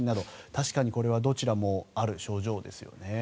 確かにこれはどちらもある症状ですよね。